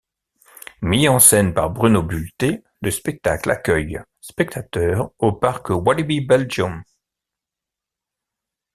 Mis en scène par Bruno Bulté, le spectacle accueille spectateurs au parc Walibi Belgium.